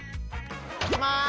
いきます